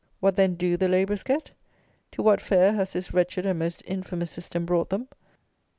What then do the labourers get? To what fare has this wretched and most infamous system brought them!